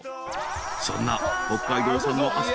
［そんな北海道産のアスパラ